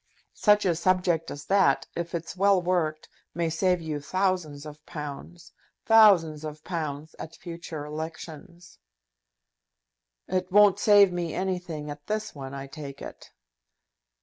Such a subject as that, if it's well worked, may save you thousands of pounds thousands of pounds at future elections." "It won't save me anything at this one, I take it."